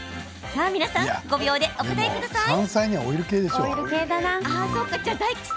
皆さん、５秒でお答えください。